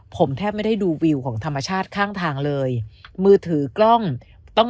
ผมแทบไม่ได้ดูวิวของธรรมชาติข้างทางเลยมือถือกล้องต้อง